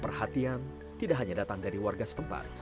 perhatian tidak hanya datang dari warga setempat